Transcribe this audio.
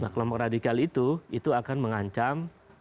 kelompok radikal itu itu akan mengancam